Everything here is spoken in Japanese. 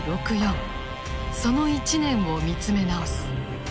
その１年を見つめ直す。